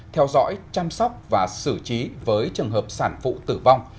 theo dõi chăm sóc và xử trí với trường hợp sản phụ tử vong